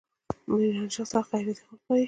ميرانشاه سخت غيرتي خلق لري.